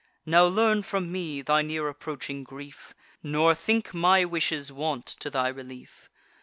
Now learn from me thy near approaching grief, Nor think my wishes want to thy relief.